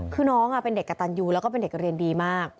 คือน้องเป็นเด็กกระตันยูแล้วก็เป็นเด็กเรียนดีมาก